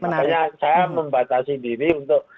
makanya saya membatasi diri untuk